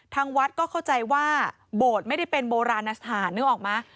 ทางวัดก็เข้าใจว่าโบสถ์ไม่ได้เป็นโบราณสถานนึกออกไหม